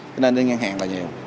cho nên đi ngang hàng là nhiều